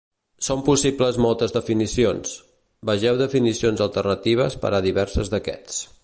Són possibles moltes definicions; vegeu definicions alternatives per a diverses d'aquests.